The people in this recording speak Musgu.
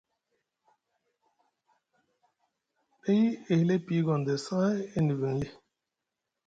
Ɗay e hili e piyi Gondes haa e niviŋ lii.